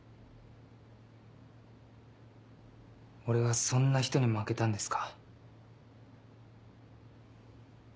俺はそんな人に負けたんですか。